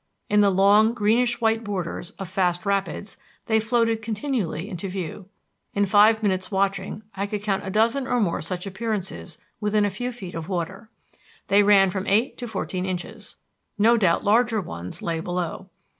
In the long, greenish white borders of fast rapids they floated continually into view. In five minutes' watching I could count a dozen or more such appearances within a few feet of water. They ran from eight to fourteen inches. No doubt larger ones lay below.